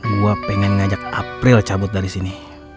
gue pengen ngajak april cabut dari sini